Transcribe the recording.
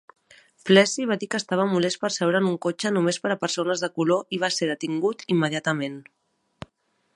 Plessy va dir que estava molest per seure en un cotxe només per a persones de color i va ser detingut immediatament.